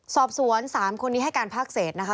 สอบสวน๓คนนี้ให้การภาคเศษนะคะ